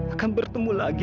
akan bertemu lagi